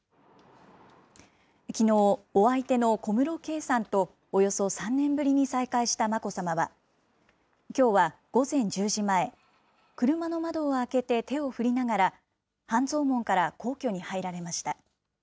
きのう、お相手の小室圭さんとおよそ３年ぶりに再会した眞子さまは、きょうは午前１０時前、車の窓を開けて手を振りながら、半蔵門から皇居に入られました。